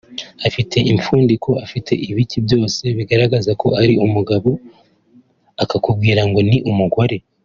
afite impfundiko afite ibiki byose bigaragaza ko ari umugabo akakubwira ngo ni umugore